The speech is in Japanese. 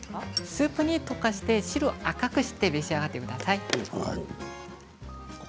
スープに溶かして汁を赤くして召し上がってください。